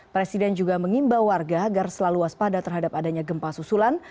presiden juga mengimbau warga agar selalu waspada terhadap adanya gempa susulan